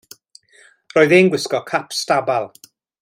Roedd e'n gwisgo cap stabal.